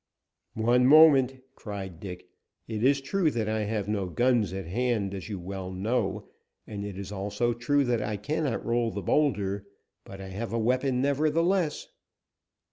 "One moment," cried Dick. "It is true that I have no guns at hand, as you well know, and it is also true that I cannot roll the boulder, but I have a weapon nevertheless."